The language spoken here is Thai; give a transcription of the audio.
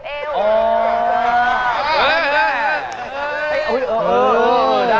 เออได้นะ